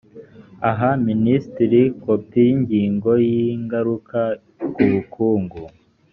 aha minisitiri kopi yinyigo y’ingaruka ku bukungu